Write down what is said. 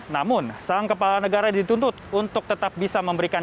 namun sang kepala negara dituntut untuk tetap bisa memberikan